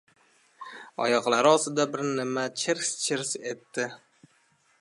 Oyoqlari ostida bir nima chirs-chirs etdi.